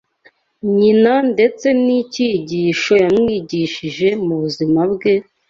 nyina ndetse n’icyigisho yamwigishije mu buzima bwe